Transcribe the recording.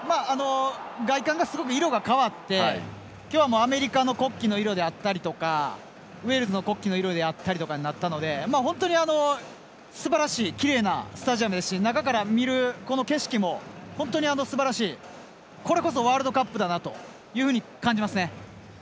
外観が色が変わって今日はアメリカの国旗の色であったりウェールズの国旗の色であったりになったのできれいなスタジアムですし中から見る、この景色も本当にすばらしいこれこそワールドカップだなと感じますね。